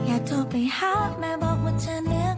อะไรอ่ะอันนี้คือหินปูน